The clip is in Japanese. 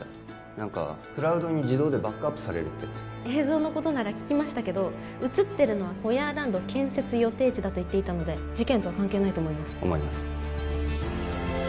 何かクラウドに自動でバックアップされるってやつ映像のことなら聞きましたけど写ってるのはホヤーランド建設予定地だと言っていたので事件とは関係ないと思います思います